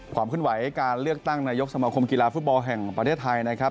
ความขึ้นไหวการเลือกตั้งนายกสมคมกีฬาฟุตบอลแห่งประเทศไทยนะครับ